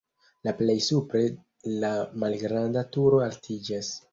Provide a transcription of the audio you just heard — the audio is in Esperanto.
La plej supre la malgranda turo altiĝas.